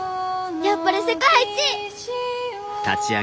やっぱり世界一！